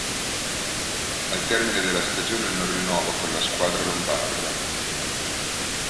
Al termine della stagione non rinnova con la squadra lombarda.